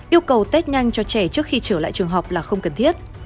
yêu cầu test nhanh cho trẻ trước khi trở lại trường học là không cần thiết